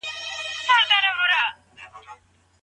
دوی د پيغورونو له ويري قرضونه وکړل.